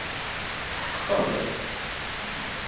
Tetḥeqqeḍ?